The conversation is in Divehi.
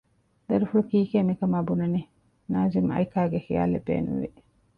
ދަރިފުޅު ކީކޭ މިކަމާ ބުނަނީ؟ ނާޒިމް އައިކާގެ ޚިޔާލެއް ބޭނުންވި